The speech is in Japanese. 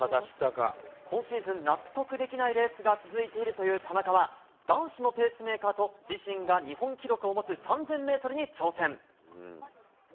今シーズン納得できないレースが続いているという田中は、男子のペースメーカーと自身が日本記録を持つ３０００メートルに挑戦。